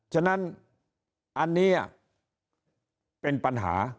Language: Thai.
ฉะนั้นอันนี้เป็นปัญหา